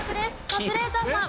カズレーザーさん。